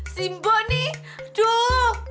si mbok nih aduh